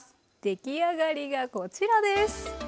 出来上がりがこちらです。